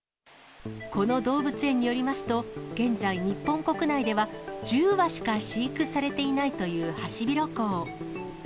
この動物園によりますと、現在日本国内では１０羽しか飼育されていないというハシビロコウ。